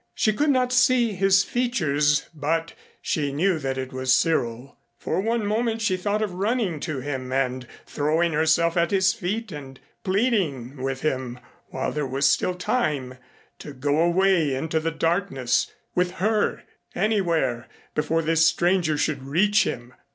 She could not see his features, but she knew that it was Cyril. For one moment she thought of running to him and throwing herself at his feet and pleading with him while there was still time to go away into the darkness with her anywhere before this stranger should reach him.